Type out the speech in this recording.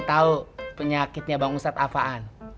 ini tahu penyakitnya bang ustadz apaan